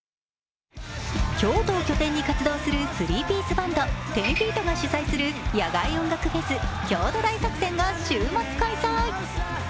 京都を拠点に活動する３ピースバント、１０−ＦＥＥＴが主催する野外音楽フェス、京都大作戦が週末、開催！